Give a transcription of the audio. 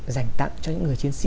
dành tặng cho những người chiến sĩ